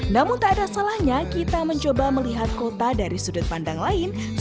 namun tak ada salahnya kita mencoba melihat kota dari sudut pandang lain